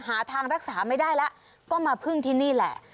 หาทางรักษาไม่ได้แล้วก็มาพึ่งที่นี่แหละ